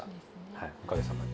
はいおかげさまで。